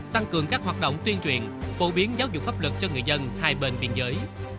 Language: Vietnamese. tăng cường các hoạt động tuyên truyền phổ biến giáo dục pháp lực cho người dân hai bên biên giới